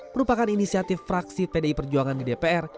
merupakan inisiatif fraksi pdi perjuangan di dpr